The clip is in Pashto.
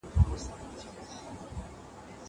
زه هره ورځ کتابتون ته کتاب وړم!